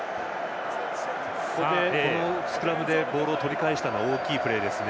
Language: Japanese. ここでスクラムでボールを取り返したのは大きいプレーですね